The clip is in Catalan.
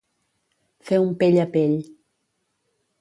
Fer un pell a pell.